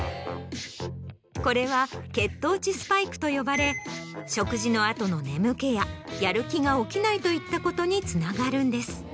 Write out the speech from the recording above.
これは血糖値スパイクと呼ばれ食事の後の眠気ややる気が起きないといったことにつながるんです。